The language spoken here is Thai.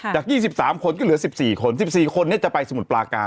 จาก๒๓คนก็เหลือ๑๔คน๑๔คนจะไปสมุทรปลาการ